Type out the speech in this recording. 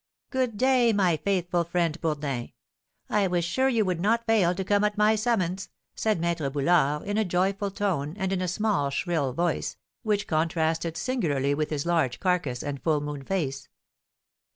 "Good day, my faithful friend, Bourdin, I was sure you would not fail to come at my summons!" said Maître Boulard, in a joyful tone, and in a small, shrill voice, which contrasted singularly with his large carcass and full moon face.